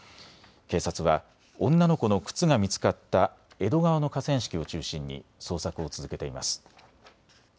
警察は女の子の靴が見つかった江戸川の河川敷を中心に捜索を続けています。